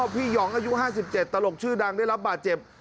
พี่หยองอายุ๕๗ตลกชื่อดังได้รับบาดเจ็บ